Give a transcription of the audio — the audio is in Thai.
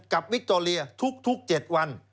กับวิคโตเรียทุกเจ็ดวัน